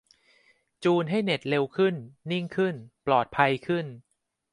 จูนเน็ตให้เร็วขึ้น นิ่งขึ้น ปลอดภัยขึ้น